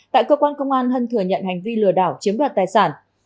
tại cơ quan công an hân thừa nhận hành vi lừa đảo chiếm đoạt tài sản